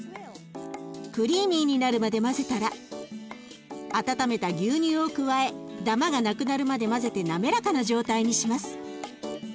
クリーミーになるまで混ぜたら温めた牛乳を加えダマがなくなるまで混ぜて滑らかな状態にします。